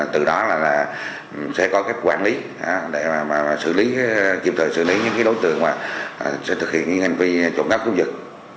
từ đó là sẽ có các quản lý để kiểm soát xử lý những đối tượng thực hiện những hành vi trộm khắp cấp giật